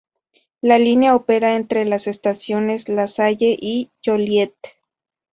La línea opera entre las estaciones LaSalle y Joliet.